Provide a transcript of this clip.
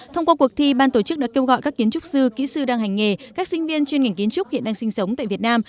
thông qua cuộc thi ban tổ chức đã kêu gọi các kiến trúc sư kỹ sư đang hành nghề các sinh viên chuyên ngành kiến trúc hiện đang sinh sống tại việt nam